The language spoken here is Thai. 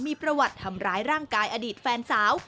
มีประวัติทำร้ายร่างกายอดีตแฟนสาว